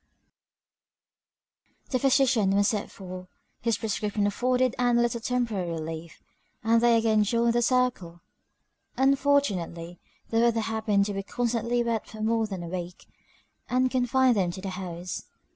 XII. The physician was sent for; his prescription afforded Ann a little temporary relief; and they again joined the circle. Unfortunately, the weather happened to be constantly wet for more than a week, and confined them to the house.